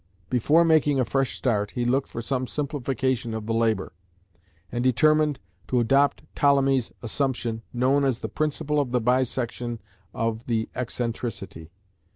Before making a fresh start he looked for some simplification of the labour; and determined to adopt Ptolemy's assumption known as the principle of the bisection of the excentricity.